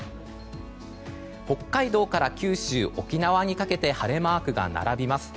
北海道から九州、沖縄にかけて晴れマークが並びます。